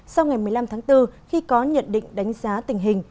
sau ngày một mươi năm tháng bốn khi có nhận định đánh giá tình hình